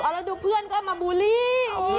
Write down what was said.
แล้วดูเพื่อนก็มาบูลลี่